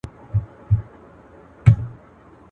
o ستر گه په بڼو نه درنېږي.